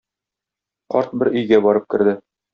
Карт бер өйгә барып керде.